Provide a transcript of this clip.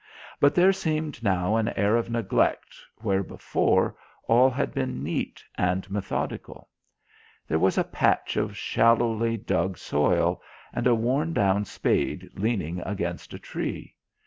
But there seemed now an air of neglect where before all had been neat and methodical. There was a patch of shallowly dug soil and a worn down spade leaning against a tree.